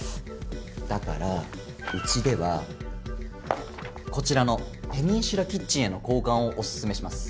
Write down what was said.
だからうちではこちらのペニンシュラキッチンへの交換をおすすめします。